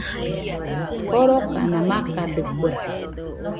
Jorokana makadɨkue